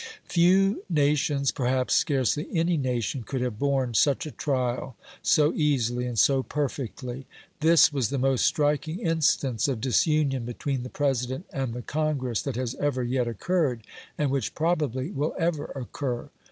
Few nations, perhaps scarcely any nation, could have borne such a trial so easily and so perfectly. This was the most striking instance of disunion between the President and the Congress that has ever yet occurred, and which probably will ever occur.